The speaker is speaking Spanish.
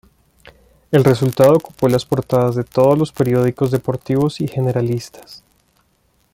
El resultado ocupó las portadas de todos los periódicos deportivos y generalistas.